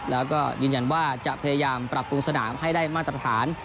แล้วก็ยืนยันว่าจะพยายามปรับปรุงสนามให้ได้มาตรฐาน